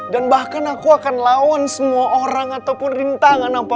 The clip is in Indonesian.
dan bahkan aku akan lawan semua orang ataupun rintangan apapun ra